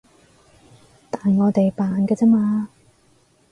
但我哋扮㗎咋嘛